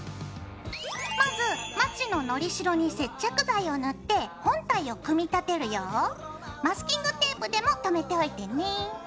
まずまちののりしろに接着剤を塗ってマスキングテープでもとめておいてね。